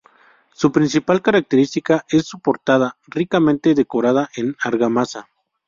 Su principal característica es su portada ricamente decorada en argamasa.